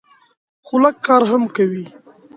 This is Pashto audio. خو لږ کار هم کوي.